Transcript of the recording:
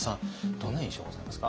どんな印象ございますか？